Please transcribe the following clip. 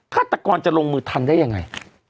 ฆาตกรจะลงมือทันได้ยังไง